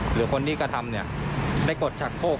หรือคนที่กระทำได้กดชักโคก